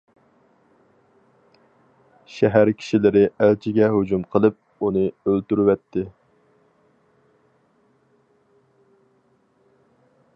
شەھەر كىشىلىرى ئەلچىگە ھۇجۇم قىلىپ، ئۇنى ئۆلتۈرۈۋەتتى.